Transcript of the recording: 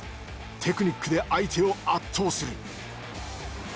テクニックで相手を圧倒する。